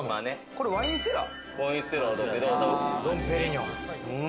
これワインセラー？